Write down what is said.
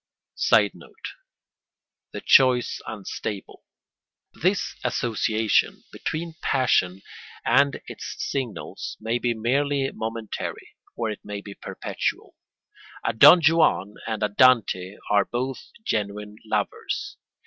[Sidenote: The choice unstable.] This association between passion and its signals may be merely momentary, or it may be perpetual: a Don Juan and a Dante are both genuine lovers.